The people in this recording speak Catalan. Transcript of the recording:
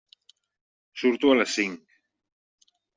Surto a les cinc.